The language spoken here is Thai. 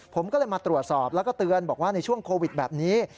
ผมก็เลยมาตรวจสอบแล้วก็เตือนบอกว่าในช่วงโควิดแบบนี้